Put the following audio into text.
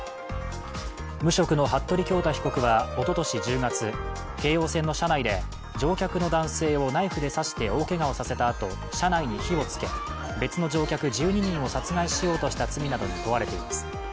無職の服部恭太被告はおととし１０月、京王線の車内で乗客の男性をナイフで刺して大けがをさせたあと車内に火をつけ別の乗客１２人を殺害しようとした罪などに問われています。